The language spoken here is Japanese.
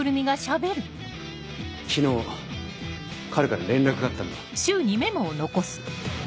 昨日彼から連絡があったんだ。